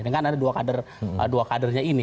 dengan ada dua kadernya ini